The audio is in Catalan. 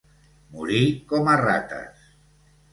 Morir com a rates.